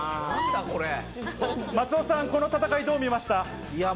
松尾さん、この戦い、どう見ました？